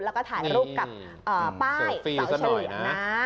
แล้วก็ถ่ายรูปกับป้ายเสาเฉลี่ยงนะ